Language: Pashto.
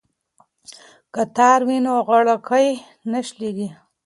که تار وي نو غاړکۍ نه شلیږي.